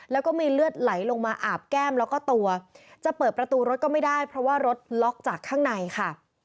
แล้วก็มีเลือดไหลลงมาอาบแก้มแล้วก็ตัวจะเปิดประตูรถก็ไม่ได้เพราะว่ารถล็อกจากข้างในค่ะ